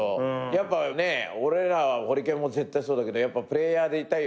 やっぱね俺らホリケンも絶対そうだけどプレイヤーでいたいよね。